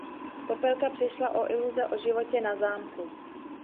Popelka přišla o iluze o životě na zámku.